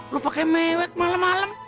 lo pakai mewek malem malem